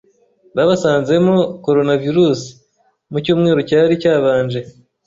babasanzemo coronavirus mu cyumweru cyari cyabanje.